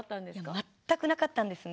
全くなかったんですね。